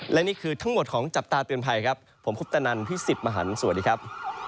และนี่คือทั้งหมดของจับตาเตือนภัยครับผมคุปตนันพี่สิทธิ์มหันฯสวัสดีครับ